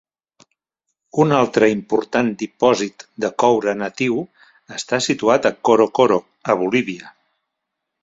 Un altre important dipòsit de coure natiu està situat a Coro Coro, a Bolívia.